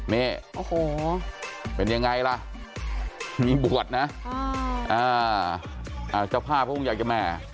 นี่โอ้โหเป็นยังไงล่ะมีบวชนะอ่าอ่าเจ้าพ่าพวกมึงอยากจะแม่